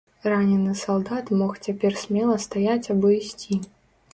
Ранены салдат мог цяпер смела стаяць або ісці.